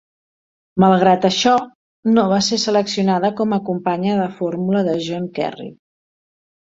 Malgrat això, no va ser seleccionada com a companya de fórmula de John Kerry.